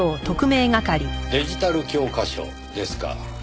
デジタル教科書ですか。